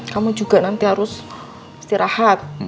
kamu juga nanti harus istirahat